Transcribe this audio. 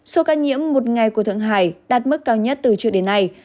số ca nhiễm một ngày của thượng hải đạt mức cao nhất từ trước đến nay